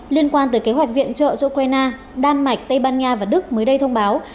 liên quan tới kế hoạch viện trợ cho ukraine đan mạch tây ban nha và đức mới đây thông báo